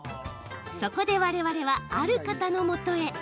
そこで我々はある方のもとへ。